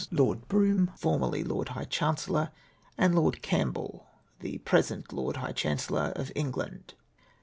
Lord Brougham, formerly our Lord High Chancellor, and Lord Campbell, the present Lo rd High Chancellor of England.